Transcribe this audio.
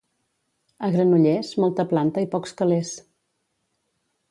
A Granollers, molta planta i pocs calés.